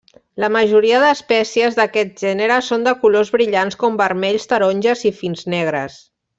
La majoria d'espècies d'aquest gènere són de colors brillants com vermells, taronges i fins negres.